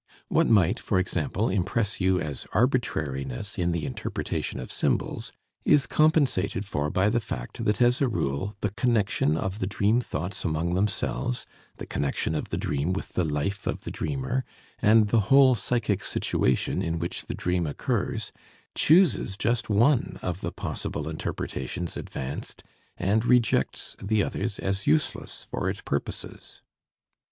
What might, for example, impress you as arbitrariness in the interpretation of symbols, is compensated for by the fact that as a rule the connection of the dream thoughts among themselves, the connection of the dream with the life of the dreamer, and the whole psychic situation in which the dream occurs, chooses just one of the possible interpretations advanced and rejects the others as useless for its purposes.